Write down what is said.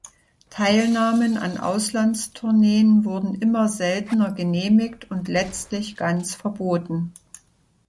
Teilnahmen an Auslandstourneen wurden immer seltener genehmigt und letztlich ganz verboten.